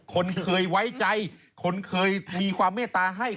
คนเคยไว้ใจคนเคยมีความเมตตาให้